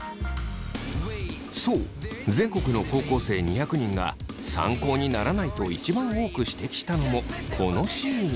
そう全国の高校生２００人が参考にならないと一番多く指摘したのもこのシーン。